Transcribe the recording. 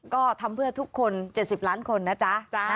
ก็ทำเพื่อทุกคน๗๐ล้านคนนะจ๊ะ